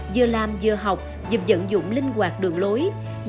vừa làm vừa học dùm dận dụng linh hoạt đường lối